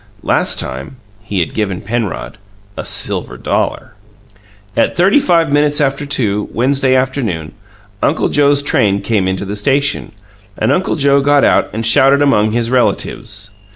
Last time he had given Penrod a silver dollar. At thirty five minutes after two, Wednesday afternoon, Uncle Joe's train came into the station, and Uncle Joe got out and shouted among his relatives.